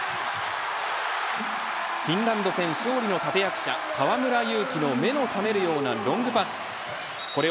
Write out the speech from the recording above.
フィンランド戦勝利の立て役者河村勇輝の目の覚めるようなロングパス。